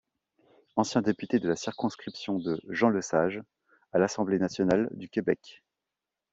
Ancien député de la circonscription de Jean-Lesage à l'Assemblée nationale du Québec.